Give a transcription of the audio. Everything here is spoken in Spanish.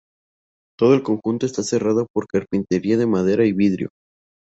Todo el conjunto está cerrado por carpintería de madera y vidrio.